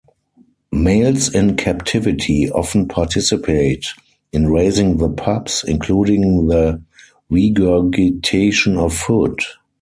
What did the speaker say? Males in captivity often participate in raising the pups, including the regurgitation of food.